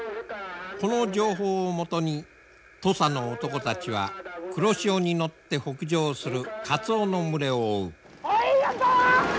この情報をもとに土佐の男たちは黒潮に乗って北上するカツオの群れを追う。